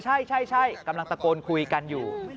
ใช่กำลังตะโกนคุยกันอยู่